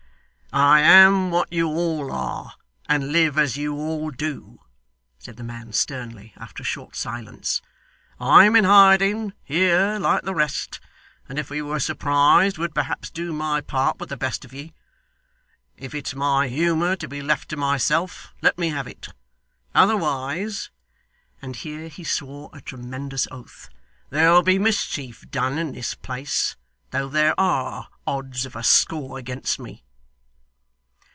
'I am what you all are, and live as you all do,' said the man sternly, after a short silence. 'I am in hiding here like the rest, and if we were surprised would perhaps do my part with the best of ye. If it's my humour to be left to myself, let me have it. Otherwise,' and here he swore a tremendous oath 'there'll be mischief done in this place, though there ARE odds of a score against me.